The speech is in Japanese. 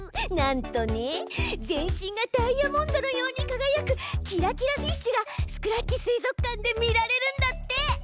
なんとね全身がダイヤモンドのようにかがやくキラキラフィッシュがスクラッチ水族館で見られるんだって！